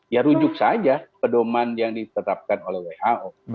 ya rujuk saja pendoman yang diterapkan oleh who